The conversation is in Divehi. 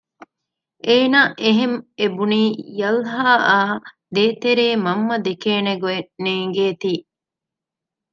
އޭނަ އެހެން އެބުނީ ޔަލްހާއާއ ދޭތެރޭ މަންމަ ދެކޭނެ ގޮތް ނޭންގޭތީ